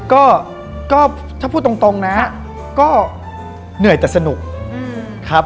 ก็ถ้าพูดตรงนะก็เหนื่อยแต่สนุกครับ